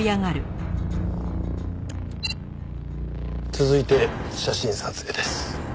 続いて写真撮影です。